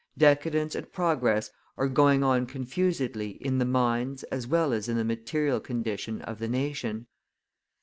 Decadence and progress are going on confusedly in the minds as well as in the material condition of the nation.